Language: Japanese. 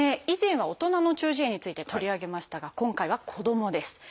以前は大人の中耳炎について取り上げましたが今回は子どもです。